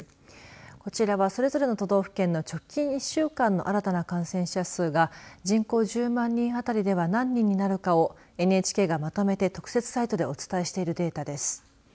こちらは、それぞれの都道府県の直近１週間の新たな感染者数が人口１０万人あたりでは何人になるかをＮＨＫがまとめて特設サイトでお伝えしているデータです。